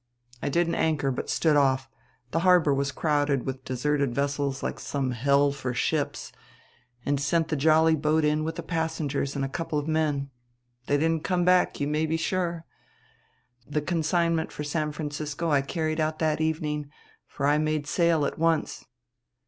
I didn't anchor, but stood off the harbor was crowded with deserted vessels like some hell for ships and sent the jolly boat in with the passengers and a couple of men. They didn't come back, you may be sure. The consignment for San Francisco I carried out that evening, for I made sail at once."